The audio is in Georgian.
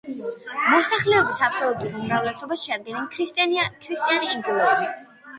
მოსახლეობის აბსოლუტურ უმრავლესობას შეადგენენ ქრისტიანი ინგილოები.